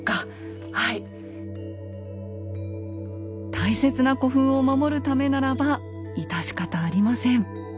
大切な古墳を守るためならば致し方ありません。